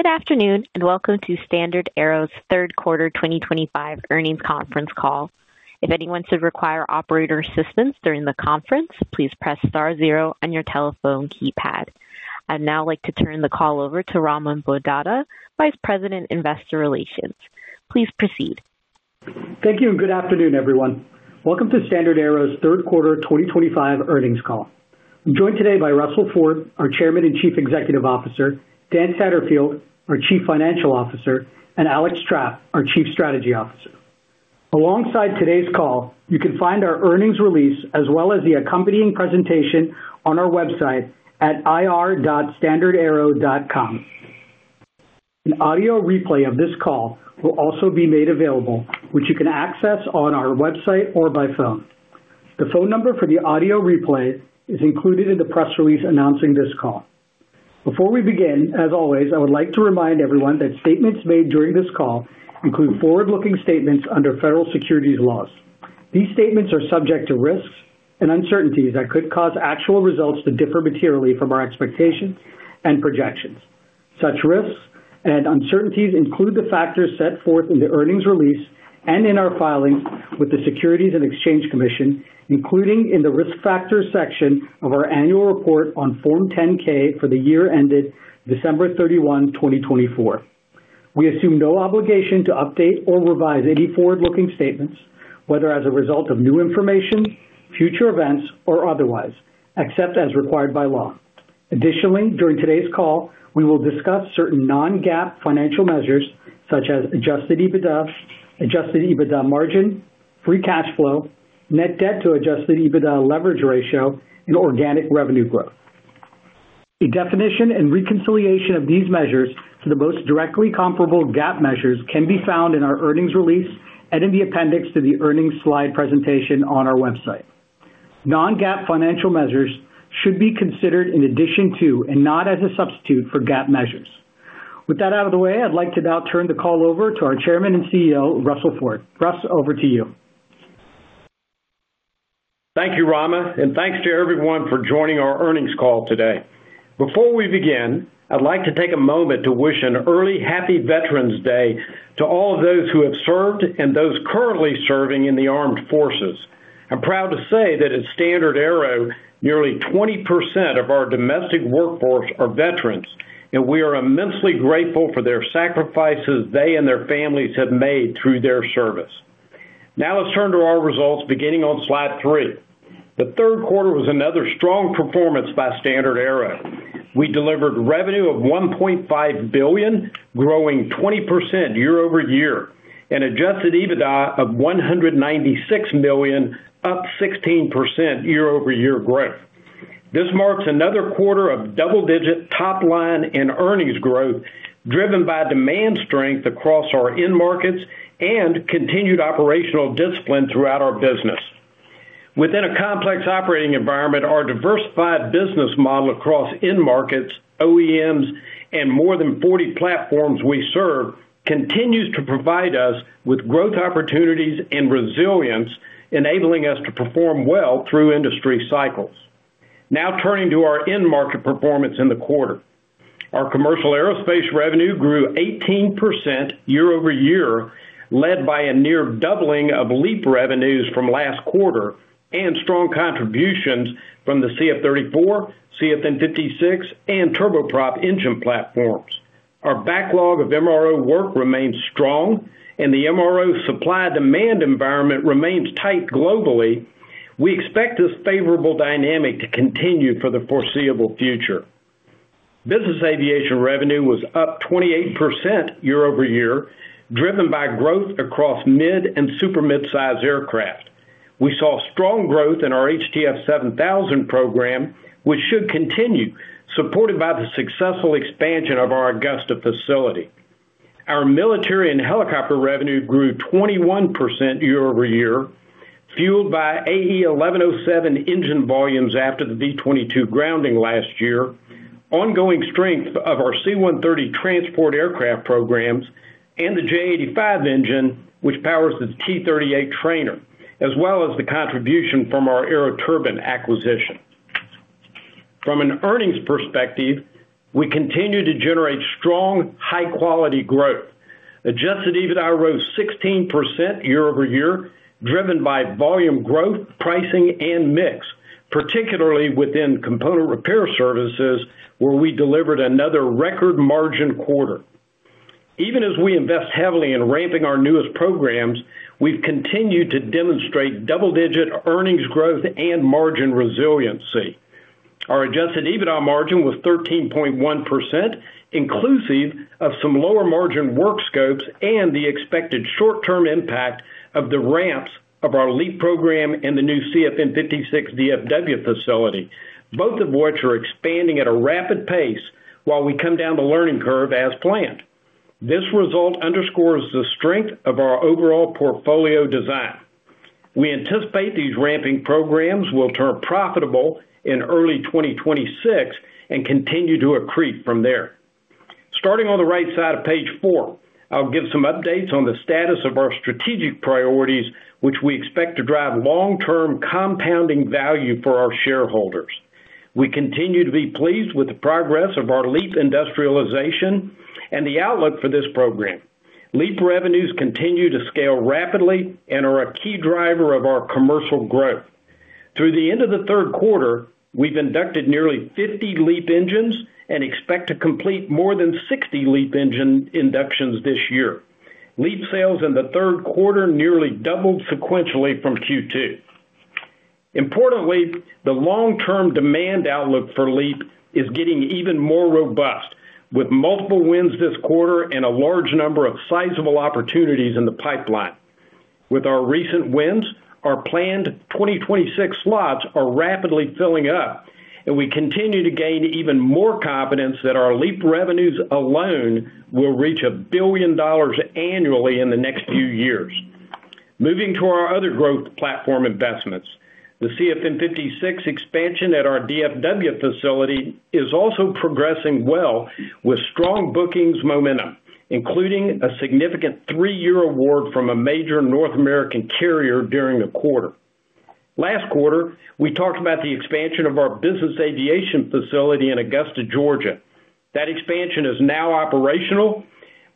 Good afternoon and welcome to StandardAero's third quarter 2025 earnings conference call. If anyone should require operator assistance during the conference, please press star zero on your telephone keypad. I'd now like to turn the call over to Rama Bondada, Vice President, Investor Relations. Please proceed. Thank you and good afternoon, everyone. Welcome to StandardAero's third quarter 2025 earnings call. I'm joined today by Russell Ford, our Chairman and Chief Executive Officer, Dan Satterfield, our Chief Financial Officer, and Alex Trapp, our Chief Strategy Officer. Alongside today's call, you can find our earnings release as well as the accompanying presentation on our website at irstandardaero.com. An audio replay of this call will also be made available, which you can access on our website or by phone. The phone number for the audio replay is included in the press release announcing this call. Before we begin, as always, I would like to remind everyone that statements made during this call include forward-looking statements under federal securities laws. These statements are subject to risks and uncertainties that could cause actual results to differ materially from our expectations and projections. Such risks and uncertainties include the factors set forth in the earnings release and in our filings with the Securities and Exchange Commission, including in the risk factors section of our annual report on Form 10-K for the year ended December 31, 2024. We assume no obligation to update or revise any forward-looking statements, whether as a result of new information, future events, or otherwise, except as required by law. Additionally, during today's call, we will discuss certain non-GAAP financial measures such as adjusted EBITDA, adjusted EBITDA margin, free cash flow, net debt to adjusted EBITDA leverage ratio, and organic revenue growth. A definition and reconciliation of these measures to the most directly comparable GAAP measures can be found in our earnings release and in the appendix to the earnings slide presentation on our website. Non-GAAP financial measures should be considered in addition to and not as a substitute for GAAP measures. With that out of the way, I'd like to now turn the call over to our Chairman and CEO, Russell Ford. Russ, over to you. Thank you, Rama, and thanks to everyone for joining our earnings call today. Before we begin, I'd like to take a moment to wish an early Happy Veterans Day to all of those who have served and those currently serving in the armed forces. I'm proud to say that at StandardAero, nearly 20% of our domestic workforce are veterans, and we are immensely grateful for the sacrifices they and their families have made through their service. Now let's turn to our results, beginning on slide three. The third quarter was another strong performance by StandardAero. We delivered revenue of $1.5 billion, growing 20% year-over-year, and adjusted EBITDA of $196 million, up 16% year-over-year growth. This marks another quarter of double-digit top line and earnings growth driven by demand strength across our end markets and continued operational discipline throughout our business. Within a complex operating environment, our diversified business model across end markets, OEMs, and more than 40 platforms we serve continues to provide us with growth opportunities and resilience, enabling us to perform well through industry cycles. Now turning to our end market performance in the quarter, our commercial aerospace revenue grew 18% year-over-year, led by a near doubling of LEAP revenues from last quarter and strong contributions from the CF-34, CFM56, and Turboprop engine platforms. Our backlog of MRO work remains strong, and the MRO supply-demand environment remains tight globally. We expect this favorable dynamic to continue for the foreseeable future. Business aviation revenue was up 28% year-over-year, driven by growth across mid and super-mid-sized aircraft. We saw strong growth in our HTF7000 program, which should continue, supported by the successful expansion of our Augusta facility. Our military and helicopter revenue grew 21% year-over-year, fueled by AE 1107 engine volumes after the V-22 grounding last year, ongoing strength of our C-130 transport aircraft programs, and the J-85 engine, which powers the T-38 trainer, as well as the contribution from our Aeroturbine acquisition. From an earnings perspective, we continue to generate strong, high-quality growth. Adjusted EBITDA rose 16% year-over-year, driven by volume growth, pricing, and mix, particularly within component repair services, where we delivered another record margin quarter. Even as we invest heavily in ramping our newest programs, we've continued to demonstrate double-digit earnings growth and margin resiliency. Our adjusted EBITDA margin was 13.1%, inclusive of some lower margin work scopes and the expected short-term impact of the ramps of our LEAP program and the new CFM56 DFW facility, both of which are expanding at a rapid pace while we come down the learning curve as planned. This result underscores the strength of our overall portfolio design. We anticipate these ramping programs will turn profitable in early 2026 and continue to accrete from there. Starting on the right side of page four, I'll give some updates on the status of our strategic priorities, which we expect to drive long-term compounding value for our shareholders. We continue to be pleased with the progress of our LEAP industrialization and the outlook for this program. LEAP revenues continue to scale rapidly and are a key driver of our commercial growth. Through the end of the third quarter, we've inducted nearly 50 LEAP engines and expect to complete more than 60 LEAP engine inductions this year. LEAP sales in the third quarter nearly doubled sequentially from Q2. Importantly, the long-term demand outlook for LEAP is getting even more robust, with multiple wins this quarter and a large number of sizable opportunities in the pipeline. With our recent wins, our planned 2026 slots are rapidly filling up, and we continue to gain even more confidence that our LEAP revenues alone will reach a billion dollars annually in the next few years. Moving to our other growth platform investments, the CFM56 expansion at our DFW facility is also progressing well with strong bookings momentum, including a significant three-year award from a major North American carrier during the quarter. Last quarter, we talked about the expansion of our business aviation facility in Augusta, Georgia. That expansion is now operational,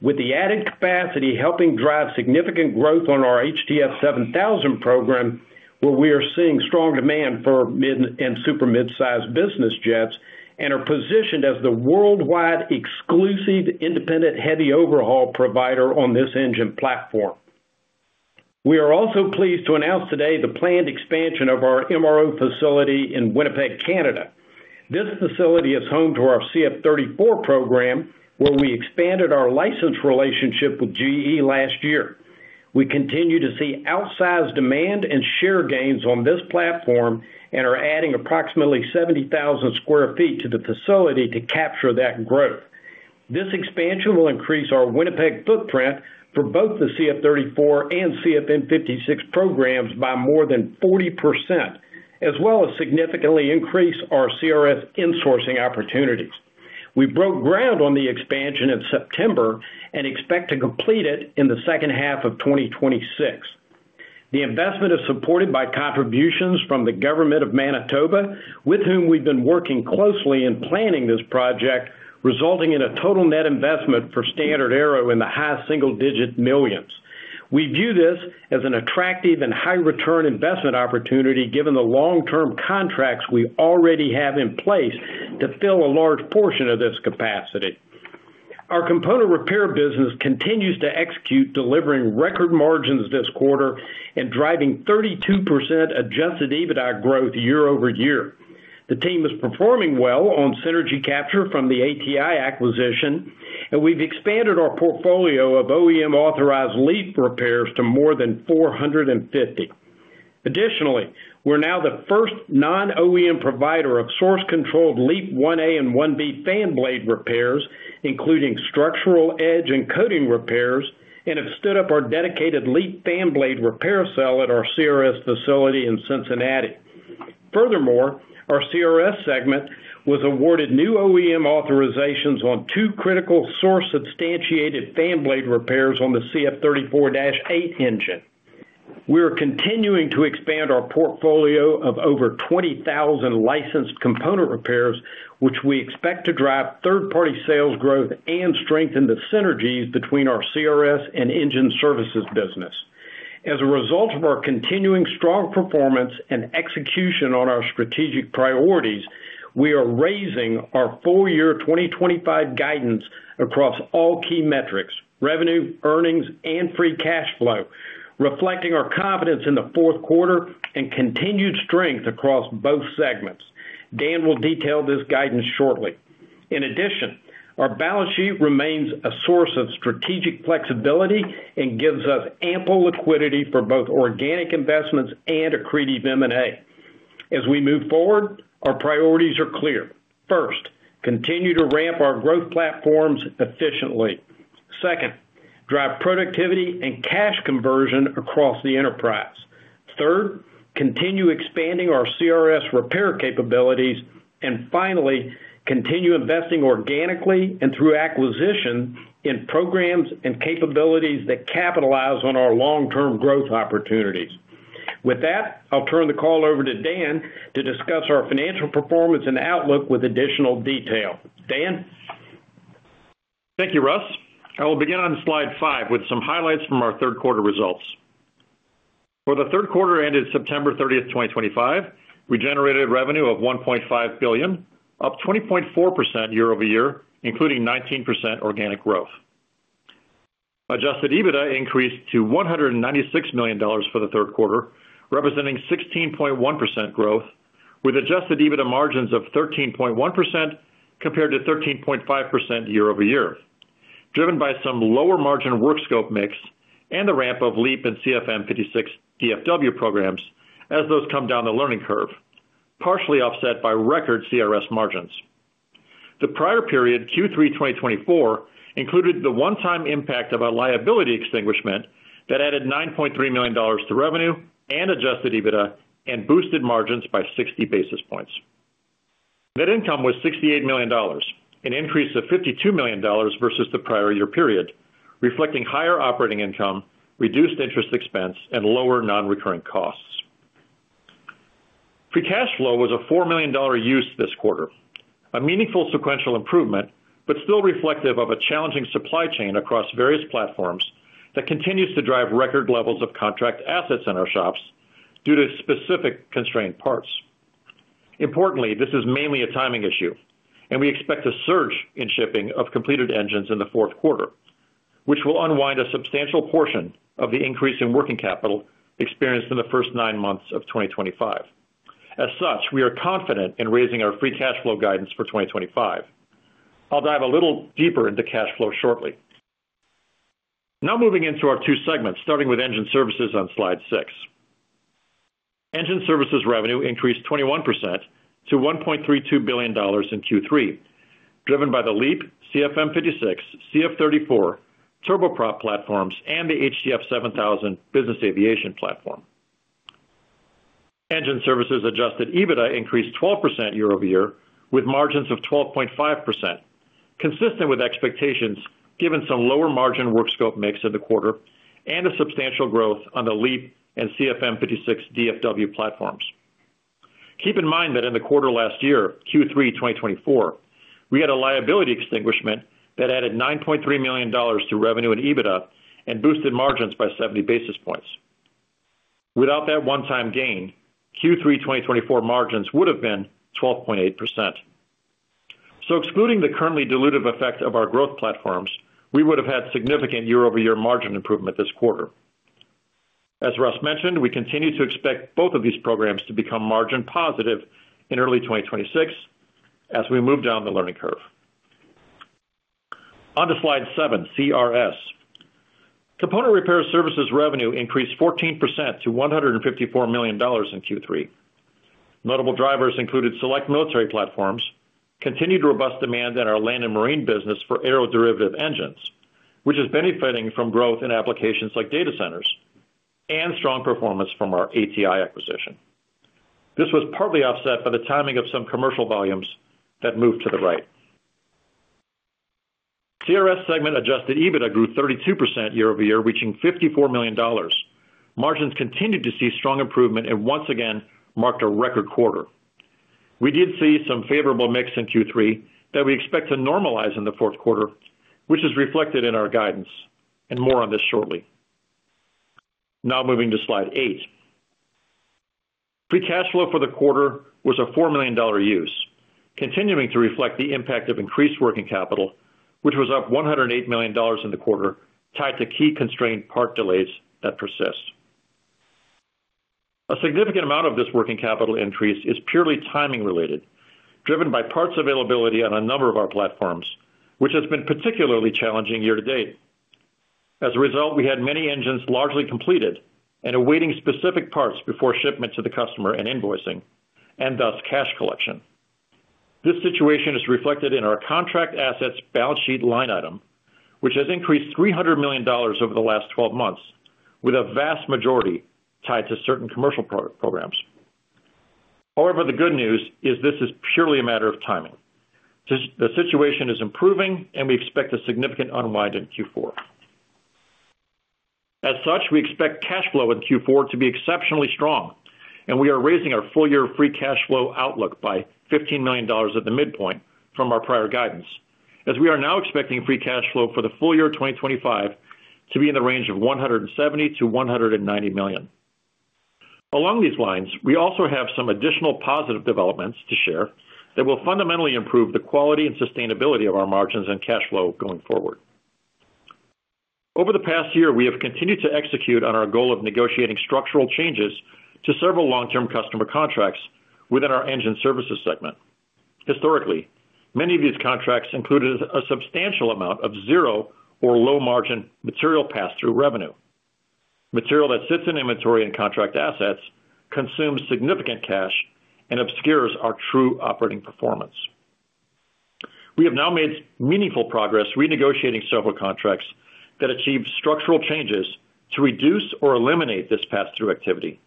with the added capacity helping drive significant growth on our HTF7000 program, where we are seeing strong demand for mid and super-mid-sized business jets and are positioned as the worldwide exclusive independent heavy overhaul provider on this engine platform. We are also pleased to announce today the planned expansion of our MRO facility in Winnipeg, Canada. This facility is home to our CF-34 program, where we expanded our license relationship with GE last year. We continue to see outsized demand and share gains on this platform and are adding approximately 70,000 sq ft to the facility to capture that growth. This expansion will increase our Winnipeg footprint for both the CF-34 and CFM56 programs by more than 40%, as well as significantly increase our CRS insourcing opportunities. We broke ground on the expansion in September and expect to complete it in the second half of 2026. The investment is supported by contributions from the government of Manitoba, with whom we've been working closely in planning this project, resulting in a total net investment for StandardAero in the high single-digit millions. We view this as an attractive and high-return investment opportunity given the long-term contracts we already have in place to fill a large portion of this capacity. Our component repair business continues to execute, delivering record margins this quarter and driving 32% adjusted EBITDA growth year-over-year. The team is performing well on synergy capture from the ATI acquisition, and we've expanded our portfolio of OEM-authorized LEAP repairs to more than 450. Additionally, we're now the first non-OEM provider of source-controlled LEAP 1A and 1B fan blade repairs, including structural edge and coating repairs, and have stood up our dedicated LEAP fan blade repair cell at our CRS facility in Cincinnati. Furthermore, our CRS segment was awarded new OEM authorizations on two critical source-substantiated fan blade repairs on the CF-34-8 engine. We are continuing to expand our portfolio of over 20,000 licensed component repairs, which we expect to drive third-party sales growth and strengthen the synergies between our CRS and engine services business. As a result of our continuing strong performance and execution on our strategic priorities, we are raising our four-year 2025 guidance across all key metrics: revenue, earnings, and free cash flow, reflecting our confidence in the fourth quarter and continued strength across both segments. Dan will detail this guidance shortly. In addition, our balance sheet remains a source of strategic flexibility and gives us ample liquidity for both organic investments and accretive M&A. As we move forward, our priorities are clear. First, continue to ramp our growth platforms efficiently. Second, drive productivity and cash conversion across the enterprise. Third, continue expanding our CRS repair capabilities. Finally, continue investing organically and through acquisition in programs and capabilities that capitalize on our long-term growth opportunities. With that, I'll turn the call over to Dan to discuss our financial performance and outlook with additional detail. Dan. Thank you, Russ. I will begin on slide five with some highlights from our third quarter results. For the third quarter ended September 30, 2025, we generated revenue of $1.5 billion, up 20.4% year-over-year, including 19% organic growth. Adjusted EBITDA increased to $196 million for the third quarter, representing 16.1% growth, with adjusted EBITDA margins of 13.1% compared to 13.5% year-over-year, driven by some lower margin work scope mix and the ramp of LEAP and CFM56 DFW programs as those come down the learning curve, partially offset by record CRS margins. The prior period, Q3 2024, included the one-time impact of a liability extinguishment that added $9.3 million to revenue and adjusted EBITDA and boosted margins by 60 basis points. Net income was $68 million, an increase of $52 million versus the prior year period, reflecting higher operating income, reduced interest expense, and lower non-recurring costs. Free cash flow was a $4 million use this quarter, a meaningful sequential improvement, but still reflective of a challenging supply chain across various platforms that continues to drive record levels of contract assets in our shops due to specific constrained parts. Importantly, this is mainly a timing issue, and we expect a surge in shipping of completed engines in the fourth quarter, which will unwind a substantial portion of the increase in working capital experienced in the first nine months of 2025. As such, we are confident in raising our free cash flow guidance for 2025. I'll dive a little deeper into cash flow shortly. Now moving into our two segments, starting with engine services on slide six. Engine services revenue increased 21% to $1.32 billion in Q3, driven by the LEAP, CFM56, CF-34, Turboprop platforms, and the HTF7000 business aviation platform. Engine services adjusted EBITDA increased 12% year-over-year, with margins of 12.5%, consistent with expectations given some lower margin work scope mix in the quarter and a substantial growth on the LEAP and CFM56 DFW platforms. Keep in mind that in the quarter last year, Q3 2024, we had a liability extinguishment that added $9.3 million to revenue and EBITDA and boosted margins by 70 basis points. Without that one-time gain, Q3 2024 margins would have been 12.8%. Excluding the currently dilutive effect of our growth platforms, we would have had significant year-over-year margin improvement this quarter. As Russ mentioned, we continue to expect both of these programs to become margin positive in early 2026 as we move down the learning curve. On to slide seven, CRS. Component repair services revenue increased 14% to $154 million in Q3. Notable drivers included select military platforms, continued robust demand in our land and marine business for aero-derivative engines, which is benefiting from growth in applications like data centers, and strong performance from our ATI acquisition. This was partly offset by the timing of some commercial volumes that moved to the right. CRS segment adjusted EBITDA grew 32% year-over-year, reaching $54 million. Margins continued to see strong improvement and once again marked a record quarter. We did see some favorable mix in Q3 that we expect to normalize in the fourth quarter, which is reflected in our guidance, and more on this shortly. Now moving to slide eight. Free cash flow for the quarter was a $4 million use, continuing to reflect the impact of increased working capital, which was up $108 million in the quarter, tied to key constrained part delays that persist. A significant amount of this working capital increase is purely timing-related, driven by parts availability on a number of our platforms, which has been particularly challenging year to date. As a result, we had many engines largely completed and awaiting specific parts before shipment to the customer and invoicing, and thus cash collection. This situation is reflected in our contract assets balance sheet line item, which has increased $300 million over the last 12 months, with a vast majority tied to certain commercial programs. However, the good news is this is purely a matter of timing. The situation is improving, and we expect a significant unwind in Q4. As such, we expect cash flow in Q4 to be exceptionally strong, and we are raising our full-year free cash flow outlook by $15 million at the midpoint from our prior guidance, as we are now expecting free cash flow for the full year 2025 to be in the range of $170-$190 million. Along these lines, we also have some additional positive developments to share that will fundamentally improve the quality and sustainability of our margins and cash flow going forward. Over the past year, we have continued to execute on our goal of negotiating structural changes to several long-term customer contracts within our engine services segment. Historically, many of these contracts included a substantial amount of zero or low-margin material pass-through revenue. Material that sits in inventory and contract assets consumes significant cash and obscures our true operating performance. We have now made meaningful progress renegotiating several contracts that achieved structural changes to reduce or eliminate this pass-through activity,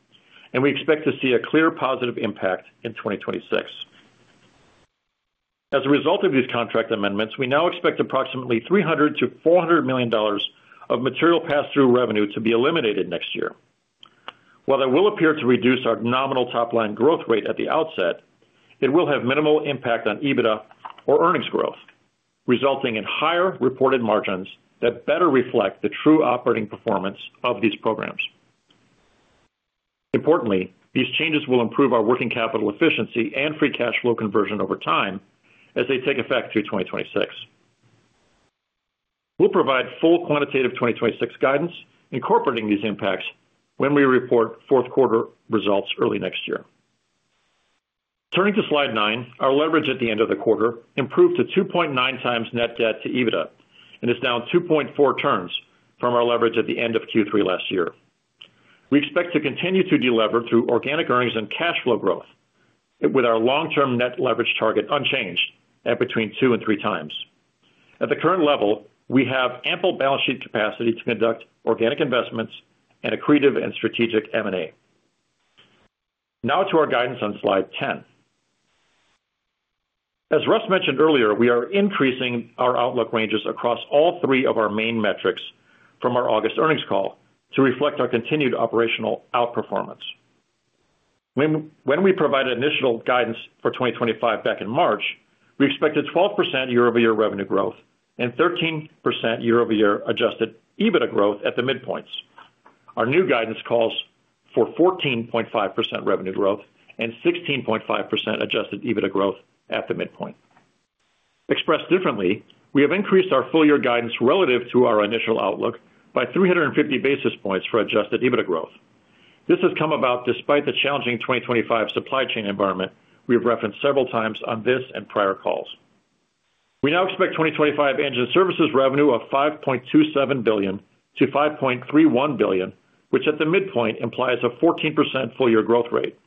and we expect to see a clear positive impact in 2026. As a result of these contract amendments, we now expect approximately $300-$400 million of material pass-through revenue to be eliminated next year. While it will appear to reduce our nominal top-line growth rate at the outset, it will have minimal impact on EBITDA or earnings growth, resulting in higher reported margins that better reflect the true operating performance of these programs. Importantly, these changes will improve our working capital efficiency and free cash flow conversion over time as they take effect through 2026. We'll provide full quantitative 2026 guidance incorporating these impacts when we report fourth-quarter results early next year. Turning to slide nine, our leverage at the end of the quarter improved to 2.9 times net debt to EBITDA and is now 2.4 turns from our leverage at the end of Q3 last year. We expect to continue to deleverage through organic earnings and cash flow growth, with our long-term net leverage target unchanged at between two and three times. At the current level, we have ample balance sheet capacity to conduct organic investments and accretive and strategic M&A. Now to our guidance on slide 10. As Russ mentioned earlier, we are increasing our outlook ranges across all three of our main metrics from our August earnings call to reflect our continued operational outperformance. When we provided initial guidance for 2025 back in March, we expected 12% year-over-year revenue growth and 13% year-over-year adjusted EBITDA growth at the midpoints. Our new guidance calls for 14.5% revenue growth and 16.5% adjusted EBITDA growth at the midpoint. Expressed differently, we have increased our full-year guidance relative to our initial outlook by 350 basis points for adjusted EBITDA growth. This has come about despite the challenging 2025 supply chain environment we have referenced several times on this and prior calls. We now expect 2025 engine services revenue of $5.27 billion-$5.31 billion, which at the midpoint implies a 14% full-year growth rate.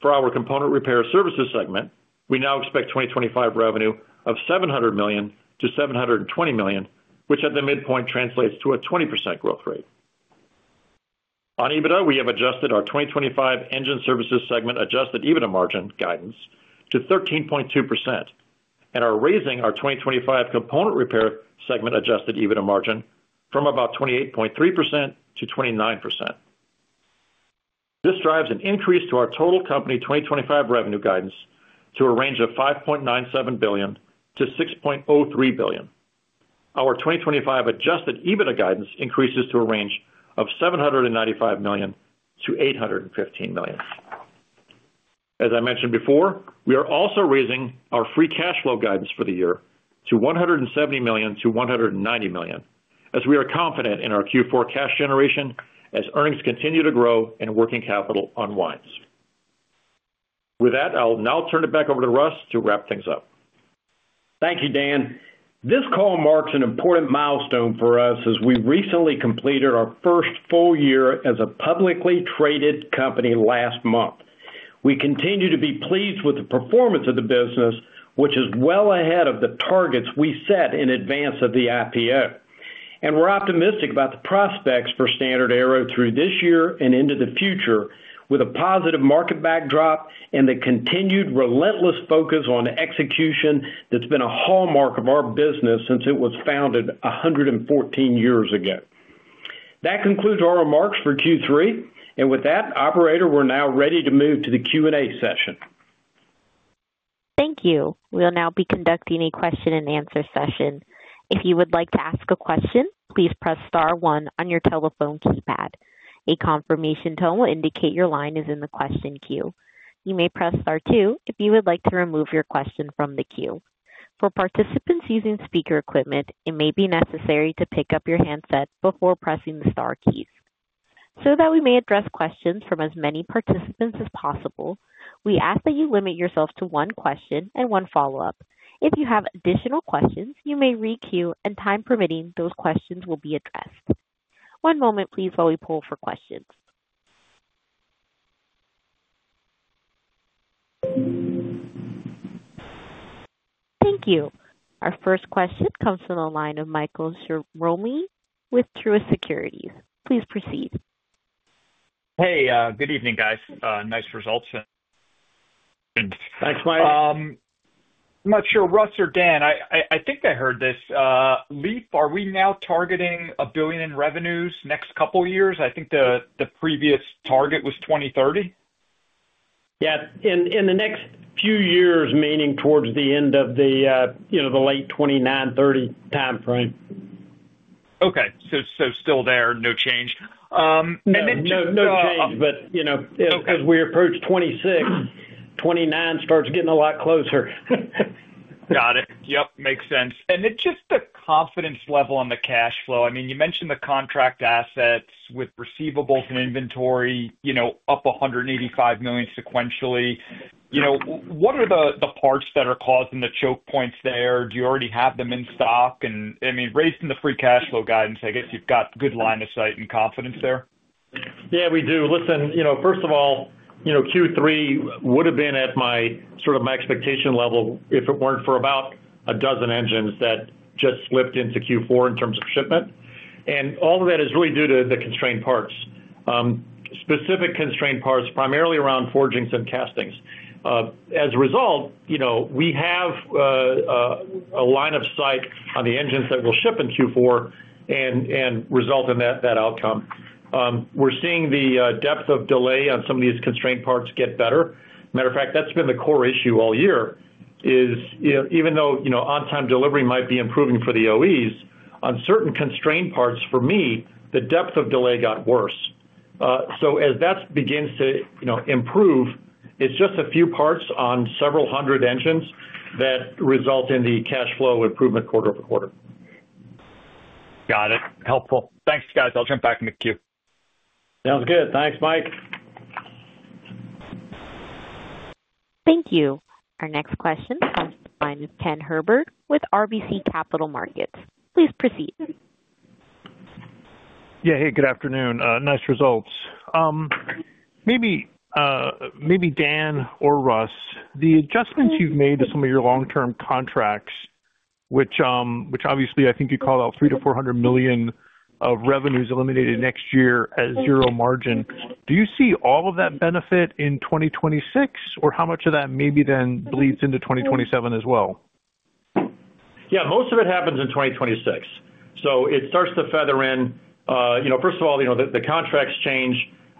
For our component repair services segment, we now expect 2025 revenue of $700 million-$720 million, which at the midpoint translates to a 20% growth rate. On EBITDA, we have adjusted our 2025 engine services segment adjusted EBITDA margin guidance to 13.2%, and are raising our 2025 component repair segment adjusted EBITDA margin from about 28.3% to 29%. This drives an increase to our total company 2025 revenue guidance to a range of $5.97 billion-$6.03 billion. Our 2025 adjusted EBITDA guidance increases to a range of $795 million-$815 million. As I mentioned before, we are also raising our free cash flow guidance for the year to $170 million-$190 million, as we are confident in our Q4 cash generation as earnings continue to grow and working capital unwinds. With that, I'll now turn it back over to Russ to wrap things up. Thank you, Dan. This call marks an important milestone for us as we recently completed our first full year as a publicly traded company last month. We continue to be pleased with the performance of the business, which is well ahead of the targets we set in advance of the IPO. We are optimistic about the prospects for StandardAero through this year and into the future, with a positive market backdrop and the continued relentless focus on execution that has been a hallmark of our business since it was founded 114 years ago. That concludes our remarks for Q3. With that, Operator, we are now ready to move to the Q&A session. Thank you. We'll now be conducting a question-and-answer session. If you would like to ask a question, please press star one on your telephone keypad. A confirmation tone will indicate your line is in the question queue. You may press star two if you would like to remove your question from the queue. For participants using speaker equipment, it may be necessary to pick up your handset before pressing the star keys. So that we may address questions from as many participants as possible, we ask that you limit yourself to one question and one follow-up. If you have additional questions, you may re-queue, and time permitting, those questions will be addressed. One moment, please, while we pull for questions. Thank you. Our first question comes from the line of Michael Ceromie with Truist Securities. Please proceed. Hey, good evening, guys. Nice results. Thanks, Mike. I'm not sure, Russ or Dan. I think I heard this. LEAP, are we now targeting a billion in revenues next couple of years? I think the previous target was 2030. Yeah, in the next few years, meaning towards the end of the late 2029, 2030 timeframe. Okay, so still there, no change. No, no change. As we approach 2026, 2029 starts getting a lot closer. Got it. Yep, makes sense. Just the confidence level on the cash flow. I mean, you mentioned the contract assets with receivables and inventory up $185 million sequentially. What are the parts that are causing the choke points there? Do you already have them in stock? I mean, raising the free cash flow guidance, I guess you've got good line of sight and confidence there. Yeah, we do. Listen, first of all, Q3 would have been at sort of my expectation level if it were not for about a dozen engines that just slipped into Q4 in terms of shipment. All of that is really due to the constrained parts. Specific constrained parts, primarily around forgings and castings. As a result, we have a line of sight on the engines that will ship in Q4 and result in that outcome. We're seeing the depth of delay on some of these constrained parts get better. Matter of fact, that's been the core issue all year, is even though on-time delivery might be improving for the OEs, on certain constrained parts, for me, the depth of delay got worse. As that begins to improve, it's just a few parts on several hundred engines that result in the cash flow improvement quarter-over-quarter. Got it. Helpful. Thanks, guys. I'll jump back in the queue. Sounds good. Thanks, Mike. Thank you. Our next question comes from Ken Herbert with RBC Capital Markets. Please proceed. Yeah, hey, good afternoon. Nice results. Maybe Dan or Russ, the adjustments you've made to some of your long-term contracts, which obviously I think you called out $300 million-$400 million of revenues eliminated next year at zero margin, do you see all of that benefit in 2026, or how much of that maybe then bleeds into 2027 as well? Yeah, most of it happens in 2026. So it starts to feather in. First of all, the contracts change.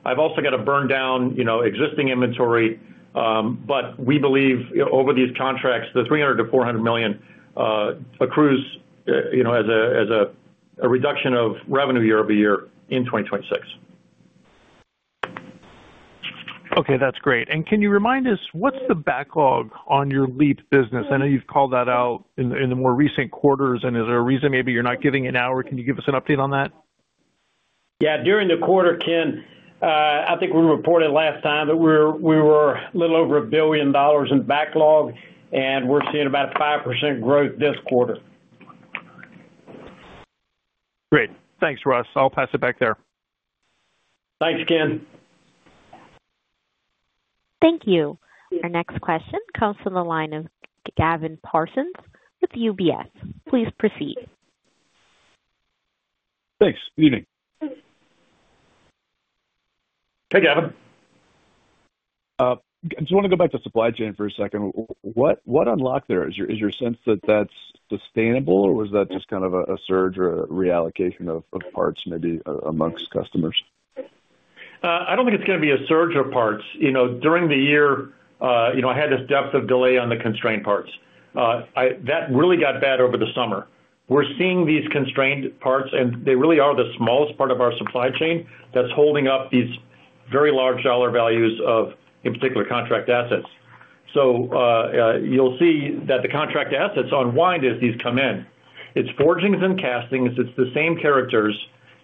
I've also got to burn down existing inventory. But we believe over these contracts, the 300 to 400 million accrues as a reduction of revenue year-over-year in 2026. Okay, that's great. And can you remind us, what's the backlog on your LEAP business? I know you've called that out in the more recent quarters, and is there a reason maybe you're not giving an hour? Can you give us an update on that? Yeah, during the quarter, Ken, I think we reported last time that we were a little over a billion dollars in backlog, and we're seeing about a 5% growth this quarter. Great. Thanks, Russ. I'll pass it back there. Thanks, Ken. Thank you. Our next question comes from the line of Gavin Parsons with UBS. Please proceed. Thanks. Good evening. Hey, Gavin. I just want to go back to supply chain for a second. What unlocked there? Is your sense that that's sustainable, or was that just kind of a surge or a reallocation of parts maybe amongst customers? I don't think it's going to be a surge of parts. During the year, I had this depth of delay on the constrained parts. That really got bad over the summer. We're seeing these constrained parts, and they really are the smallest part of our supply chain that's holding up these very large dollar values of, in particular, contract assets. You will see that the contract assets unwind as these come in. It's forgings and castings. It's the same characters.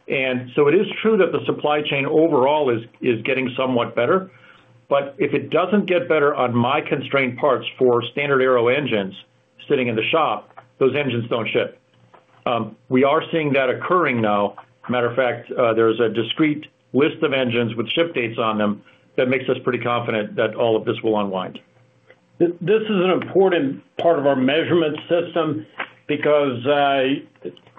It is true that the supply chain overall is getting somewhat better. If it doesn't get better on my constrained parts for StandardAero engines sitting in the shop, those engines don't ship. We are seeing that occurring now. Matter of fact, there's a discrete list of engines with ship dates on them that makes us pretty confident that all of this will unwind. This is an important part of our measurement system because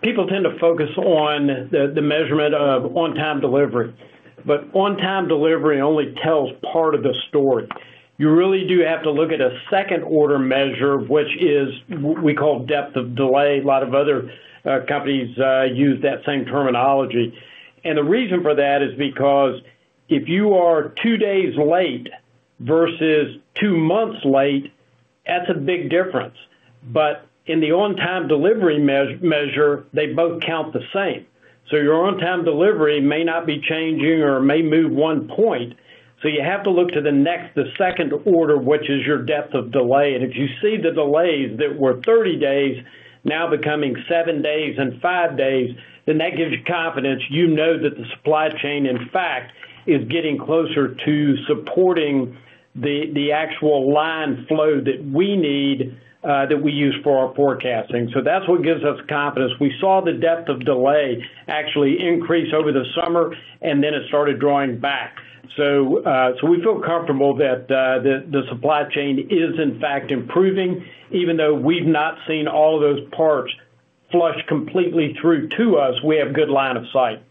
people tend to focus on the measurement of on-time delivery. But on-time delivery only tells part of the story. You really do have to look at a second-order measure, which is what we call depth of delay. A lot of other companies use that same terminology. And the reason for that is because if you are two days late versus two months late, that's a big difference. But in the on-time delivery measure, they both count the same. So your on-time delivery may not be changing or may move one point. So you have to look to the next, the second order, which is your depth of delay. And if you see the delays that were 30 days now becoming 7 days and 5 days, then that gives you confidence. You know that the supply chain, in fact, is getting closer to supporting the actual line flow that we need that we use for our forecasting. So that's what gives us confidence. We saw the depth of delay actually increase over the summer, and then it started drawing back. So we feel comfortable that the supply chain is, in fact, improving. Even though we've not seen all of those parts flush completely through to us, we have good line of sight.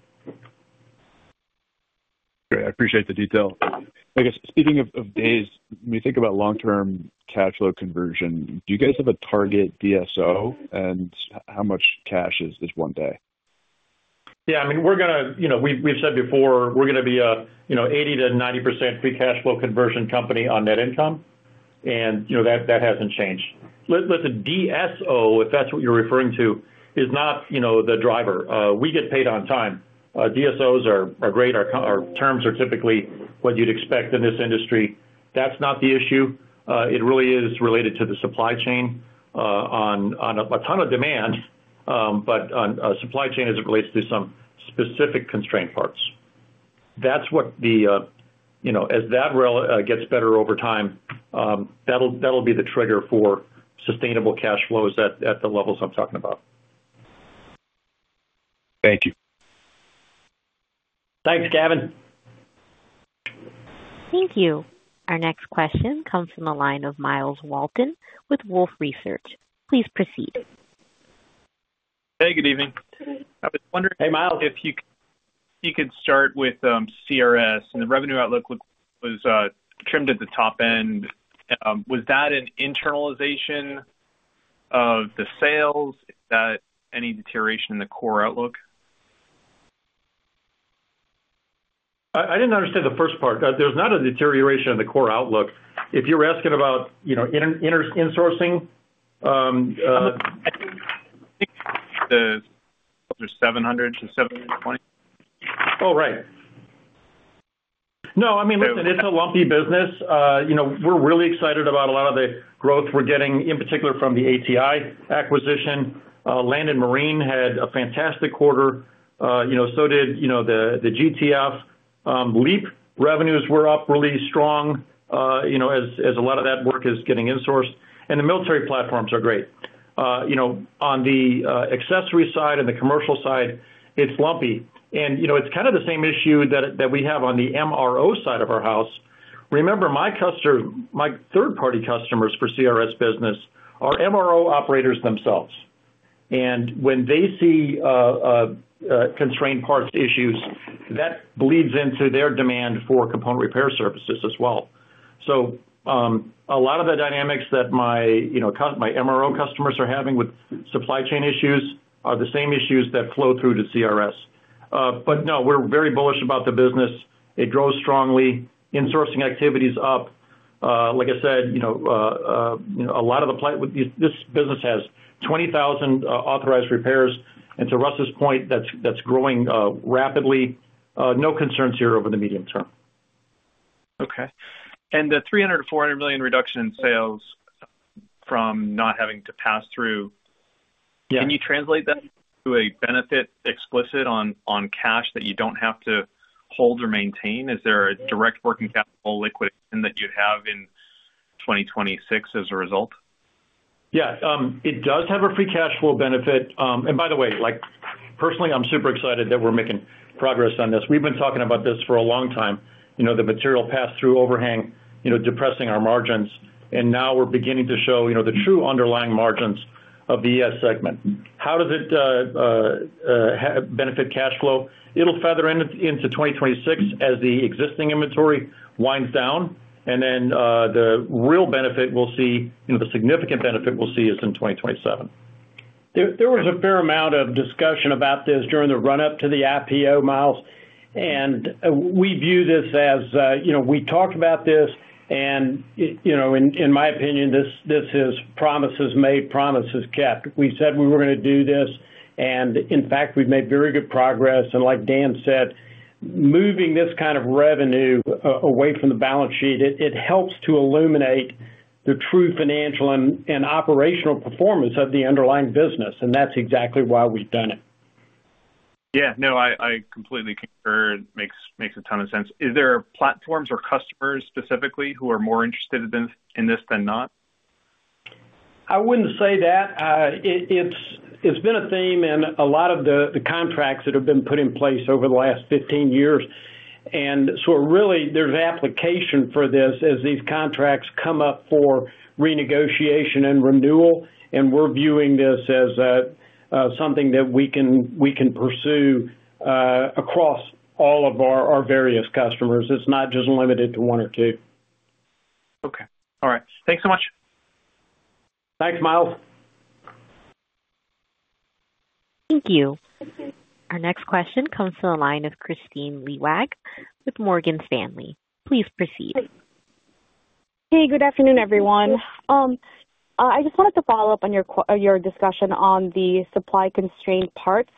Great. I appreciate the detail. I guess speaking of days, when you think about long-term cash flow conversion, do you guys have a target DSO, and how much cash is one day? Yeah, I mean, we're going to, we've said before, we're going to be an 80 to 90 percent pre-cash flow conversion company on net income. And that hasn't changed. Listen, DSO, if that's what you're referring to, is not the driver. We get paid on time. DSOs are great. Our terms are typically what you'd expect in this industry. That's not the issue. It really is related to the supply chain on a ton of demand, but on supply chain as it relates to some specific constrained parts. That's what the, as that gets better over time, that'll be the trigger for sustainable cash flows at the levels I'm talking about. Thank you. Thanks, Gavin. Thank you. Our next question comes from the line of Myles Walton with Wolf Research. Please proceed. Hey, good evening. I was wondering, Hey, Myles. if you could start with CRS. And the revenue outlook was trimmed at the top end. Was that an internalization of the sales? Is that any deterioration in the core outlook? I didn't understand the first part. There's not a deterioration in the core outlook. If you're asking about insourcing. The 700 to 720? Oh, right. No, I mean, listen, it's a lumpy business. We're really excited about a lot of the growth we're getting, in particular from the ATI acquisition. Land and Marine had a fantastic quarter. So did the GTF. LEAP revenues were up really strong as a lot of that work is getting insourced. And the military platforms are great. On the accessory side and the commercial side, it's lumpy. And it's kind of the same issue that we have on the MRO side of our house. Remember, my third-party customers for CRS business are MRO operators themselves. And when they see constrained parts issues, that bleeds into their demand for component repair services as well. So a lot of the dynamics that my MRO customers are having with supply chain issues are the same issues that flow through to CRS. But no, we're very bullish about the business. It grows strongly. Insourcing activities up. Like I said, a lot of this business has 20,000 authorized repairs. And to Russ's point, that's growing rapidly. No concerns here over the medium term. Okay. The $300 million-$400 million reduction in sales from not having to pass through, can you translate that to a benefit explicit on cash that you do not have to hold or maintain? Is there a direct working capital liquidation that you would have in 2026 as a result? Yeah. It does have a pre-cash flow benefit. And by the way, personally, I'm super excited that we're making progress on this. We've been talking about this for a long time. The material pass-through overhang depressing our margins. And now we're beginning to show the true underlying margins of the ES segment. How does it benefit cash flow? It'll feather into 2026 as the existing inventory winds down. And then the real benefit we'll see, the significant benefit we'll see is in 2027. There was a fair amount of discussion about this during the run-up to the IPO, Myles. And we view this as we talked about this. And in my opinion, this is promises made, promises kept. We said we were going to do this. And in fact, we've made very good progress. And like Dan said, moving this kind of revenue away from the balance sheet, it helps to illuminate the true financial and operational performance of the underlying business. And that's exactly why we've done it. Yeah. No, I completely concur. It makes a ton of sense. Is there platforms or customers specifically who are more interested in this than not? I wouldn't say that. It's been a theme in a lot of the contracts that have been put in place over the last 15 years. And so really, there's application for this as these contracts come up for renegotiation and renewal. And we're viewing this as something that we can pursue across all of our various customers. It's not just limited to one or two. Okay. All right. Thanks so much. Thanks, Myles. Thank you. Our next question comes from the line of Kristine Liwag with Morgan Stanley. Please proceed. Hey, good afternoon, everyone. I just wanted to follow up on your discussion on the supply constrained parts.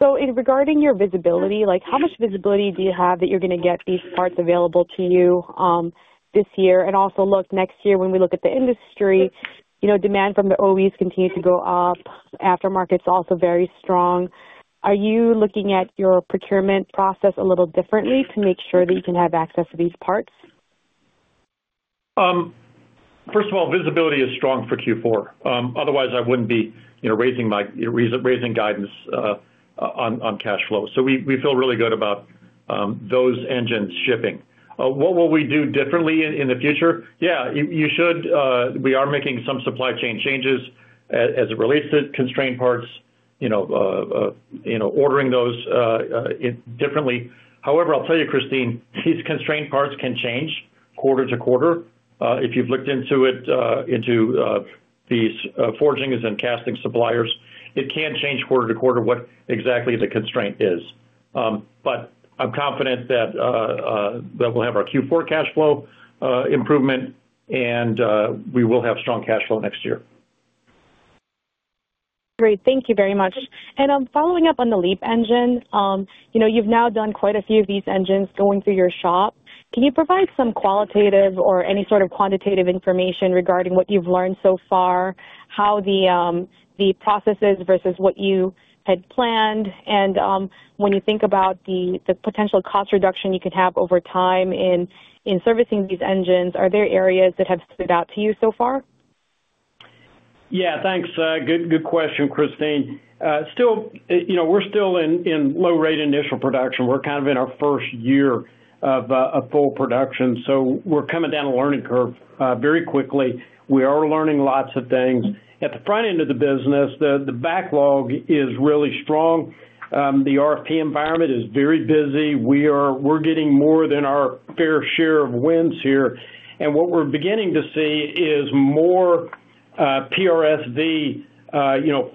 Regarding your visibility, how much visibility do you have that you're going to get these parts available to you this year? Also, next year when we look at the industry, demand from the OEs continues to go up. Aftermarket's also very strong. Are you looking at your procurement process a little differently to make sure that you can have access to these parts? First of all, visibility is strong for Q4. Otherwise, I wouldn't be raising guidance on cash flow. So we feel really good about those engines shipping. What will we do differently in the future? Yeah, you should. We are making some supply chain changes as it relates to constrained parts, ordering those differently. However, I'll tell you, Christine, these constrained parts can change quarter to quarter. If you've looked into these forgings and casting suppliers, it can change quarter to quarter what exactly the constraint is. But I'm confident that we'll have our Q4 cash flow improvement, and we will have strong cash flow next year. Great. Thank you very much. And following up on the LEAP engine, you've now done quite a few of these engines going through your shop. Can you provide some qualitative or any sort of quantitative information regarding what you've learned so far, how the process is versus what you had planned? And when you think about the potential cost reduction you can have over time in servicing these engines, are there areas that have stood out to you so far? Yeah. Thanks. Good question, Kristine. Still, we're still in low-rate initial production. We're kind of in our first year of full production. So we're coming down a learning curve very quickly. We are learning lots of things. At the front end of the business, the backlog is really strong. The RFP environment is very busy. We're getting more than our fair share of wins here. And what we're beginning to see is more PRSV,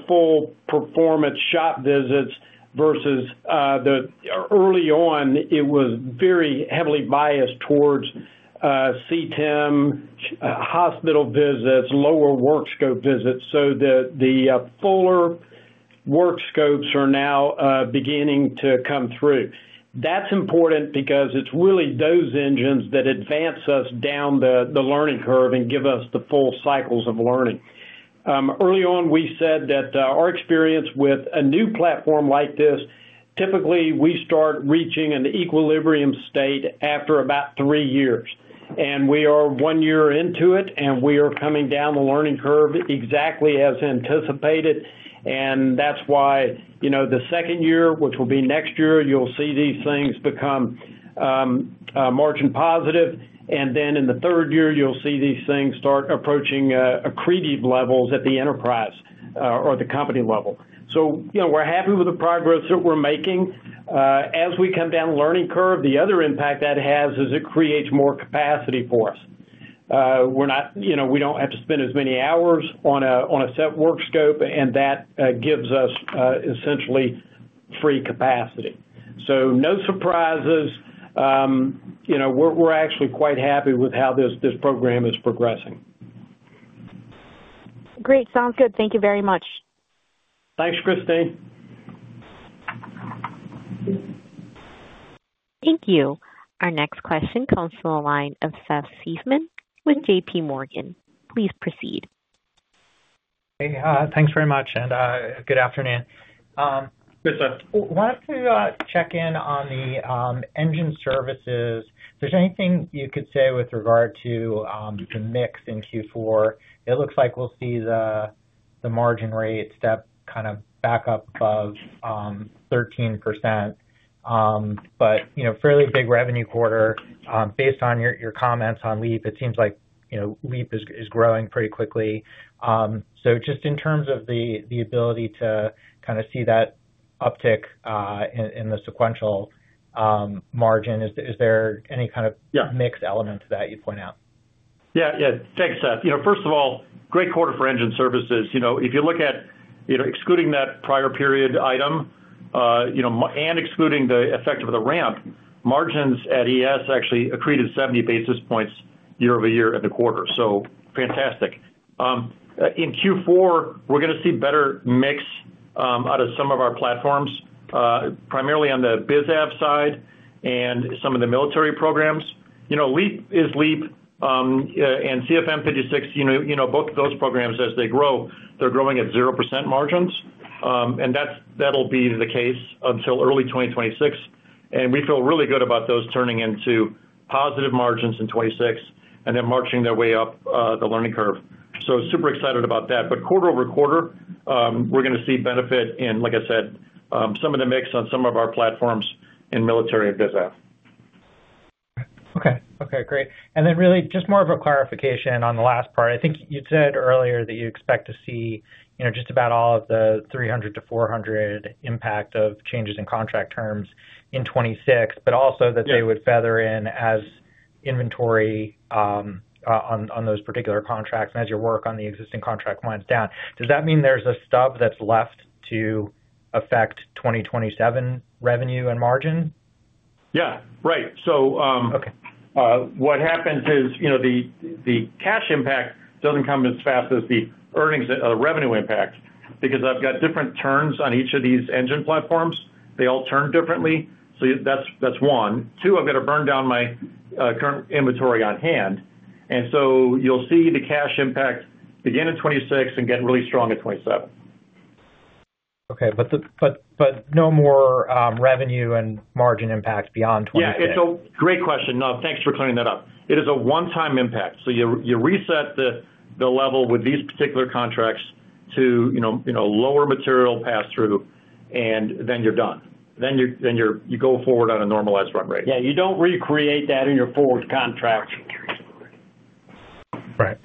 full performance shop visits versus the early on, it was very heavily biased towards CTIM, hospital visits, lower work scope visits. So the fuller work scopes are now beginning to come through. That's important because it's really those engines that advance us down the learning curve and give us the full cycles of learning. Early on, we said that our experience with a new platform like this, typically we start reaching an equilibrium state after about three years. And we are one year into it, and we are coming down the learning curve exactly as anticipated. And that's why the second year, which will be next year, you'll see these things become margin positive. And then in the third year, you'll see these things start approaching accretive levels at the enterprise or the company level. So we're happy with the progress that we're making. As we come down the learning curve, the other impact that has is it creates more capacity for us. We don't have to spend as many hours on a set work scope, and that gives us essentially free capacity. So no surprises. We're actually quite happy with how this program is progressing. Great. Sounds good. Thank you very much. Thanks, Kristine. Thank you. Our next question comes from the line of Seth Seifman with JP Morgan. Please proceed. Hey, thanks very much, and good afternoon. Good, Seth. I wanted to check in on the engine services. If there's anything you could say with regard to the mix in Q4, it looks like we'll see the margin rate step kind of back up above 13%. A fairly big revenue quarter. Based on your comments on LEAP, it seems like LEAP is growing pretty quickly. Just in terms of the ability to kind of see that uptick in the sequential margin, is there any kind of mix element to that you'd point out? Yeah. Yeah. Thanks, Seth. First of all, great quarter for engine services. If you look at excluding that prior period item and excluding the effect of the ramp, margins at ES actually accreted 70 basis points year-over-year in the quarter. Fantastic. In Q4, we're going to see better mix out of some of our platforms, primarily on the BizApp side and some of the military programs. LEAP is LEAP, and CFM56, both of those programs, as they grow, they're growing at 0% margins. That'll be the case until early 2026. We feel really good about those turning into positive margins in 2026 and then marching their way up the learning curve. Super excited about that. Quarter-over-quarter, we're going to see benefit in, like I said, some of the mix on some of our platforms in military and BizApp. Okay. Okay. Great. And then really just more of a clarification on the last part. I think you'd said earlier that you expect to see just about all of the $300-$400 impact of changes in contract terms in 2026, but also that they would feather in as inventory on those particular contracts and as your work on the existing contract winds down. Does that mean there's a stub that's left to affect 2027 revenue and margin? Yeah. Right. What happens is the cash impact does not come as fast as the revenue impact because I have got different turns on each of these engine platforms. They all turn differently. That is one. Two, I have got to burn down my current inventory on hand. You will see the cash impact begin in 2026 and get really strong in 2027. Okay. But no more revenue and margin impact beyond 2026? Yeah. It's a great question. No, thanks for clearing that up. It is a one-time impact. You reset the level with these particular contracts to lower material pass-through, and then you're done. You go forward on a normalized run rate. You don't recreate that in your forward contract. Right.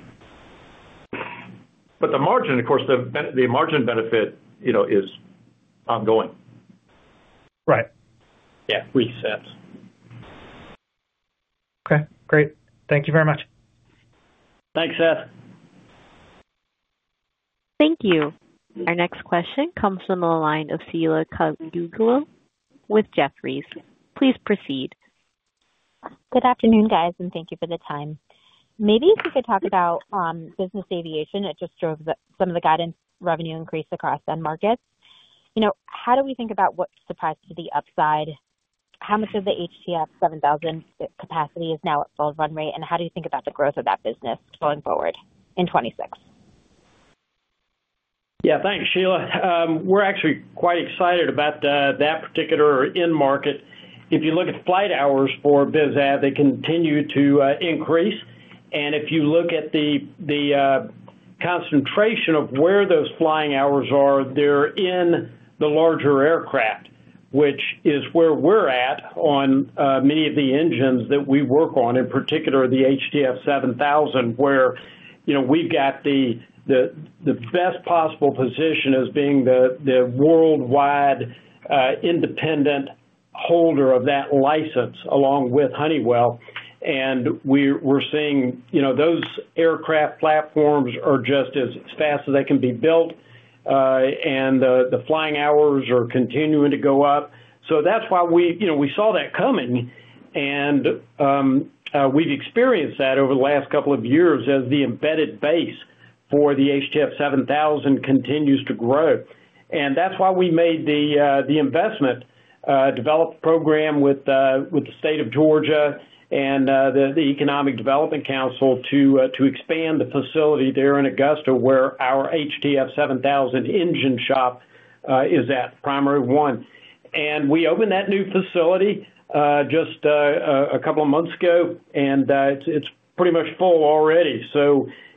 The margin, of course, the margin benefit is ongoing. Right. Yeah. Reset. Okay. Great. Thank you very much. Thanks, Seth. Thank you. Our next question comes from the line of Sheila Kahyaoglu with Jefferies. Please proceed. Good afternoon, guys, and thank you for the time. Maybe if we could talk about business aviation. It just drove some of the guidance revenue increase across end markets. How do we think about what surprised to the upside? How much of the HTF7000 capacity is now at full run rate? And how do you think about the growth of that business going forward in 2026? Yeah. Thanks, Sheila. We're actually quite excited about that particular end market. If you look at flight hours for BizAv, they continue to increase. If you look at the concentration of where those flying hours are, they're in the larger aircraft, which is where we're at on many of the engines that we work on, in particular the HTF7000, where we've got the best possible position as being the worldwide independent holder of that license along with Honeywell. We're seeing those aircraft platforms are just as fast as they can be built, and the flying hours are continuing to go up. That's why we saw that coming. We've experienced that over the last couple of years as the embedded base for the HTF7000 continues to grow. That is why we made the investment development program with the state of Georgia and the Economic Development Council to expand the facility there in Augusta, where our HTF7000 engine shop is at, primary one. We opened that new facility just a couple of months ago, and it is pretty much full already.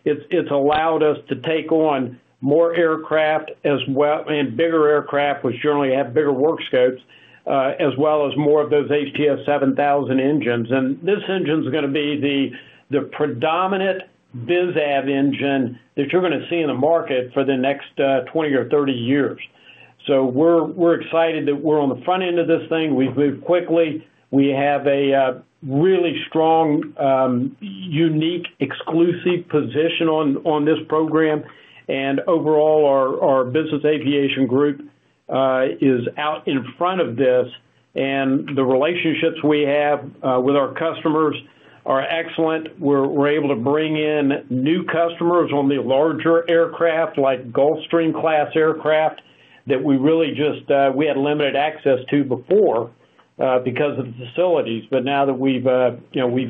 It has allowed us to take on more aircraft and bigger aircraft, which generally have bigger work scopes, as well as more of those HTF7000 engines. This engine is going to be the predominant BizAdd engine that you are going to see in the market for the next 20 or 30 years. We are excited that we are on the front end of this thing. We have moved quickly. We have a really strong, unique, exclusive position on this program. Overall, our business aviation group is out in front of this. The relationships we have with our customers are excellent. We're able to bring in new customers on the larger aircraft, like Gulfstream-class aircraft, that we really just had limited access to before because of the facilities. Now that we've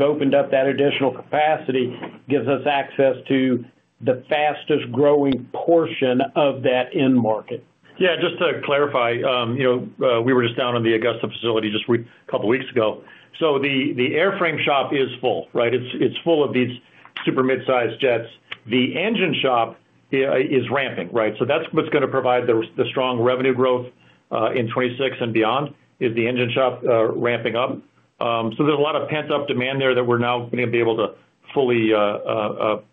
opened up that additional capacity, it gives us access to the fastest-growing portion of that end market. Just to clarify, we were just down in the Augusta facility a couple of weeks ago. The airframe shop is full, right? It's full of these super mid-sized jets. The engine shop is ramping, right? That's what's going to provide the strong revenue growth in 2026 and beyond, is the engine shop ramping up. There's a lot of pent-up demand there that we're now going to be able to fully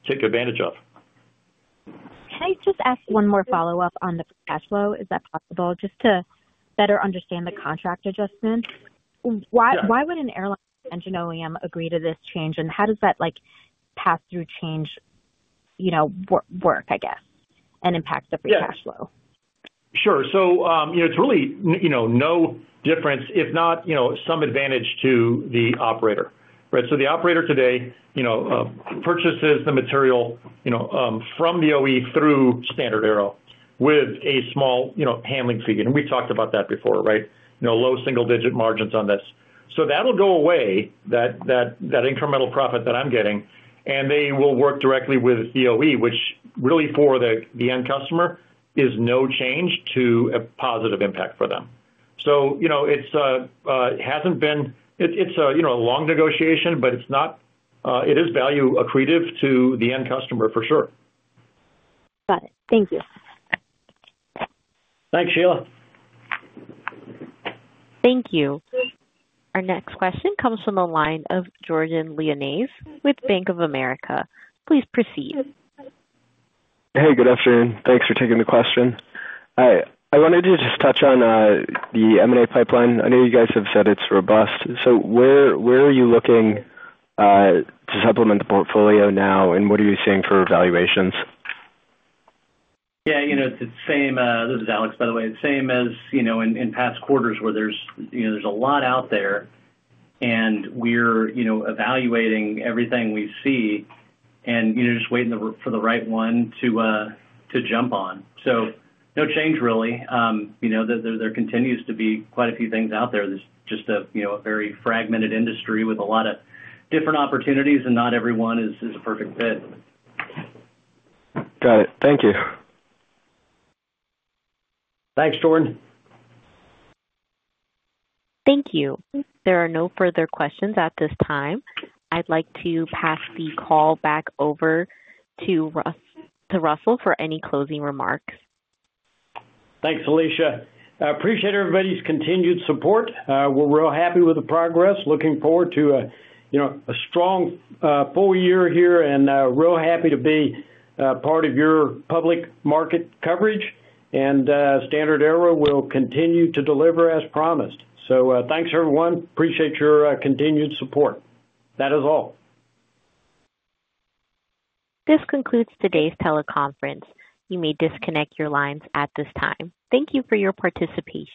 take advantage of. Can I just ask one more follow-up on the cash flow? Is that possible? Just to better understand the contract adjustment. Why would an airline engine OEM agree to this change? How does that pass-through change work, I guess, and impact the free cash flow? Sure. It is really no difference, if not some advantage to the operator, right? The operator today purchases the material from the OE through StandardAero with a small handling fee. We talked about that before, right? Low single-digit margins on this. That will go away, that incremental profit that I am getting. They will work directly with the OE, which really for the end customer is no change to a positive impact for them. It has not been, it is a long negotiation, but it is value accretive to the end customer, for sure. Got it. Thank you. Thanks, Sheila. Thank you. Our next question comes from the line of Jordan Lyonnais with Bank of America. Please proceed. Hey, good afternoon. Thanks for taking the question. I wanted to just touch on the M&A pipeline. I know you guys have said it's robust. Where are you looking to supplement the portfolio now, and what are you seeing for valuations? Yeah. This is Alex, by the way. Same as in past quarters where there's a lot out there, and we're evaluating everything we see and just waiting for the right one to jump on. No change, really. There continues to be quite a few things out there. It's just a very fragmented industry with a lot of different opportunities, and not everyone is a perfect fit. Got it. Thank you. Thanks, Jordan. Thank you. There are no further questions at this time. I'd like to pass the call back over to Russell for any closing remarks. Thanks, Alicia. I appreciate everybody's continued support. We're real happy with the progress. Looking forward to a strong full year here and real happy to be part of your public market coverage. StandardAero will continue to deliver as promised. Thanks, everyone. Appreciate your continued support. That is all. This concludes today's teleconference. You may disconnect your lines at this time. Thank you for your participation.